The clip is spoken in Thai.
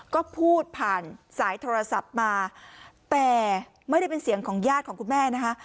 ก็พูดผ่านสายโทรศัพท์มาแต่ไม่ได้เป็นเสียงของญาติของคุณแม่นะคะ